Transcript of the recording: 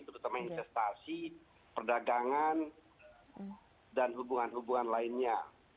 terutama investasi perdagangan dan hubungan hubungan lainnya